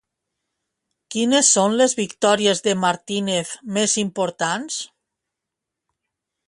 Quines són les victòries de Martínez més importants?